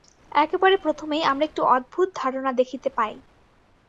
একেবারে প্রথমেই আমরা একটি অদ্ভুত ধারণা দেখিতে পাই।